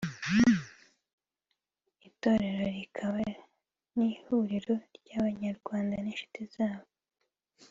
itorero rikaba n’ihuriro ry’Abanyarwanda n’inshuti zabo